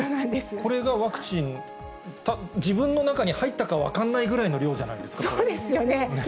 これがワクチン、自分の中に入ったか分からないぐらいの量じゃないですか。